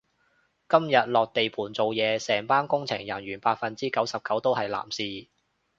今日落地盤做嘢，成班工程人員百分之九十九都係男士